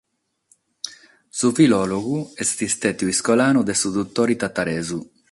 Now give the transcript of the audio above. Su filòlogu est istadu iscolanu de su dutore tataresu.